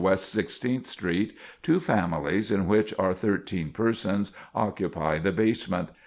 West Sixteenth Street, two families, in which are thirteen persons, occupy the basement.